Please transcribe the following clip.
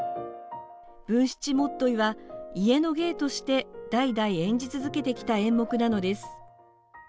文七元結は、家の芸として代々演じ続けてきた演目なのです。